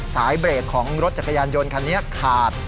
สายเบรกของรถจักรยานยนต์คันนี้ขาด